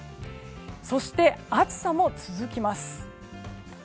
そして、暑さも続きます。